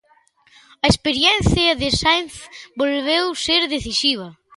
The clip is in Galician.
A experiencia de Sainz volveu ser decisiva.